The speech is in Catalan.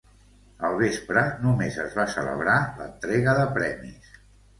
Al vespre només es va celebrar l'entrega de premis.